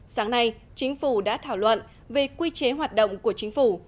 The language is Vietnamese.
sáng nay chính phủ đã thảo luận về quy chế hoạt động của chính phủ